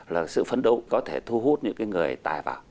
là sự phấn đấu có thể thu hút những cái người tài vào